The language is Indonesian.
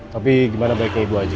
tapi gimana baiknya ibu aja